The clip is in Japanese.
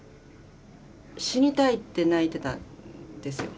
死にたいって泣いてたんですよ。